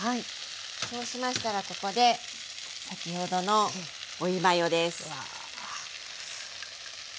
そうしましたらここで先ほどのオイマヨです。